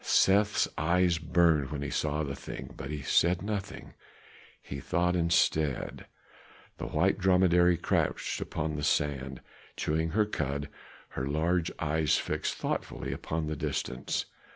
Seth's eyes burned when he saw the thing, but he said nothing; he thought instead. The white dromedary crouched upon the sand, chewing her cud, her large eyes fixed thoughtfully upon the distance.